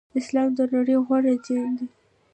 اسلام د نړی غوره دین دی.